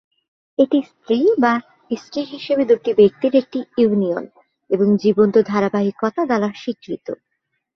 এটি স্ত্রী বা স্ত্রী হিসাবে দুটি ব্যক্তির একটি ইউনিয়ন এবং জীবন্ত ধারাবাহিকতা দ্বারা স্বীকৃত।